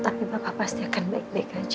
tapi bapak pasti akan baik baik aja